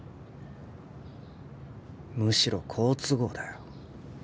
むしろ好都合だよ